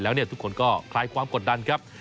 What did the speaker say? แล้วทุกคนก็คลายความกดดันครับ